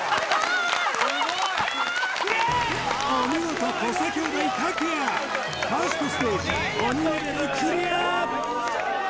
お見事土佐兄弟卓也１ｓｔステージおにレベルクリア！